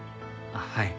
はい。